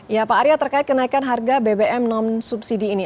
ya pak arya terkait kenaikan harga bbm non subsidi ini